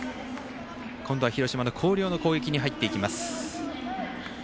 今度は広島の広陵の攻撃に入っていきます。